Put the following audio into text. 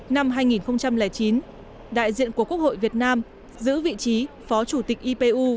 năm hai nghìn chín đại diện của quốc hội việt nam giữ vị trí